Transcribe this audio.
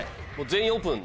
「全員オープン」。